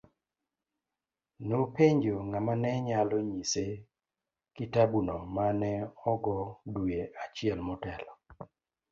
Nopenjo ng'ama ne nyalo nyise kitabuno ma ne ogo dwe achiel motelo.